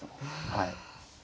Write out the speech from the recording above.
はい。